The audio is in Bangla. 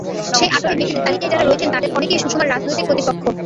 সেই আগ্রহী ব্যক্তিদের তালিকায় যাঁরা রয়েছেন, তাঁদের অনেকেই সুষমার রাজনৈতিক প্রতিপক্ষ।